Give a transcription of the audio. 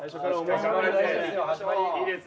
いいです。